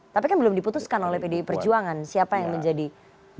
tapi kan belum diputuskan oleh pdi perjuangan siapa yang menjadi capres